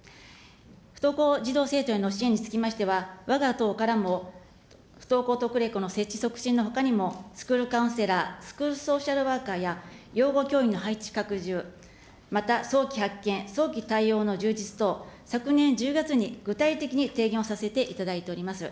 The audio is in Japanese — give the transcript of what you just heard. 不登校児童・生徒への支援につきましては、わが党からも、不登校特例校の設置促進のほかにも、スクールカウンセラー、スクールソーシャルワーカーや、養護教員の配置拡充、また早期発見、早期対応の充実等、昨年１０月に具体的に提言をさせていただいております。